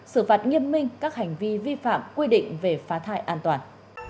xử phạt nghiêm minh các hành vi vi phạm quy định về phá thai an toàn